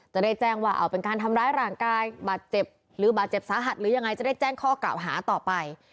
จะได้แจ้งว่าเอาเป็นการทำร้ายร่างกายบาดเจ็บหรือบาดเจ็บสาหัสหรือยังไงจะได้แจ้งข้อกล่าวหาต่อไป